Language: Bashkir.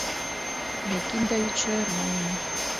Ләкин Давид шаярмай ине: